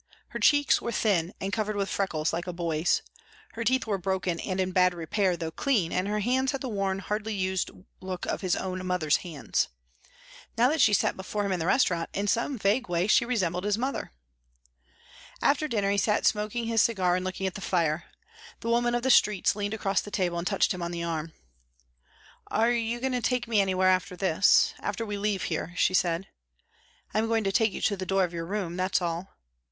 Her cheeks were thin and covered with freckles, like a boy's. Her teeth were broken and in bad repair, though clean, and her hands had the worn, hardly used look of his own mother's hands. Now that she sat before him in the restaurant, in some vague way she resembled his mother. After dinner he sat smoking his cigar and looking at the fire. The woman of the streets leaned across the table and touched him on the arm. "Are you going to take me anywhere after this after we leave here?" she said. "I am going to take you to the door of your room, that's all."